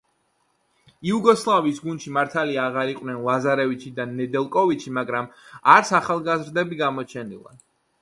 იუგოსლავიის გუნდში მართლია აღარ იყვნენ ლაზარევიჩი და ნედელკოვიჩი, მაგრამ არც ახალგაზრდები გამოჩენილან.